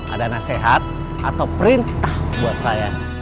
ada nasihat atau perintah buat saya